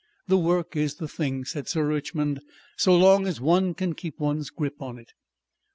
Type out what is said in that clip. "The work is the thing," said Sir Richmond. "So long as one can keep one's grip on it."